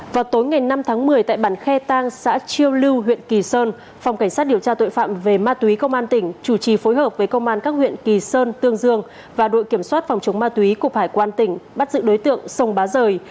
vào tối ngày năm tháng một mươi tại bản khe tang xã chiêu lưu huyện kỳ sơn phòng cảnh sát điều tra tội phạm về ma túy công an tỉnh chủ trì phối hợp với công an các huyện kỳ sơn tương dương và đội kiểm soát phòng chống ma túy cục hải quan tỉnh bắt giữ đối tượng sông bá rời